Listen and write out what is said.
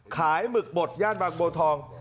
ขายหมึกบดย่านบางโบทอง